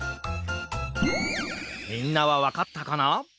みんなはわかったかな？